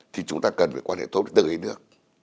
thì chúng ta cần phải quan hệ tốt với tất cả các nước